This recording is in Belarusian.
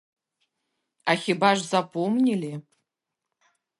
А хіба ж запомнілі?